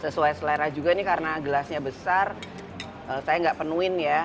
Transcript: sesuai selera juga ini karena gelasnya besar saya nggak penuhin ya